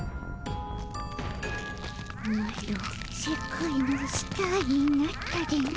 マロ世界のスターになったでの。